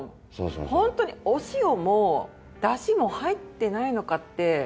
ホントにお塩もだしも入ってないのかって